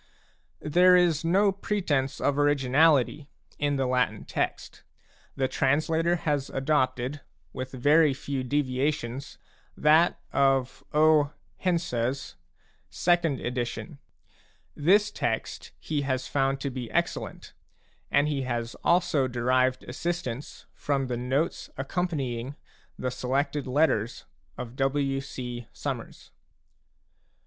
There is no pretence of originality in the Latin text; the translator has adopted, with very few deviations, that of O. Hense's second edition. This text he has found to be excellent, and he has also derived assistance from the notes accompanying the Selected Letters of W. C. Summers.